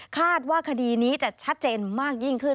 คาดว่าคดีนี้จะชัดเจนมากยิ่งขึ้น